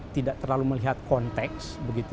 tidak terlalu melihat konteks